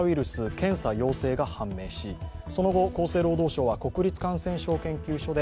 検査陽性が判明しその後、厚生労働省は国立感染症研究所で